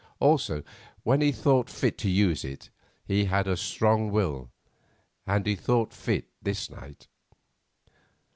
Also, when he thought fit to use it, he had a strong will, and he thought fit this night.